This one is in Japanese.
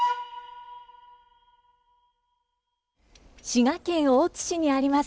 滋賀県大津市にあります